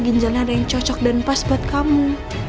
ginjalnya ada yang cocok dan pas buat kamu